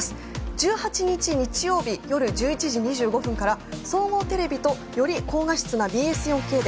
１８日日曜日夜１１時２５分から総合テレビとより高画質なＢＳ４Ｋで。